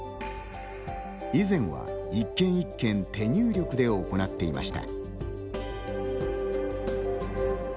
以前は、一件一件手入力で行っていました。